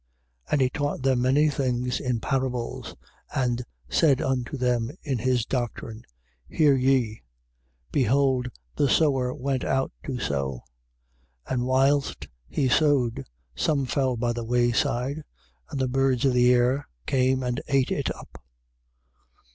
4:2. And he taught them many things in parables, and said unto them in his doctrine: 4:3. Hear ye: Behold, the sower went out to sow. 4:4. And whilst he sowed, some fell by the way side, and the birds of the air came and ate it up.